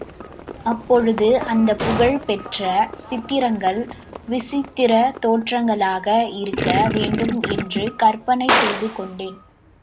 அப்பொழுது அந்தப் புகழ் பெற்ற சித்திரங்கள் விசித்திரத் தோற்றங்களாக இருக்க வேண்டும் என்று கற்பனை செய்து கொண்டேன்.